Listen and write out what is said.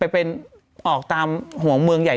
ไปเป็นออกตามห่วงเมืองใหญ่